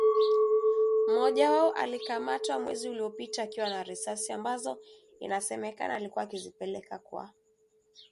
Mmoja wao alikamatwa mwezi uliopita akiwa na risasi ambazo inasemekana alikuwa akizipeleka kwa wanamgambo wa CODECO katika mkoa wa Kobu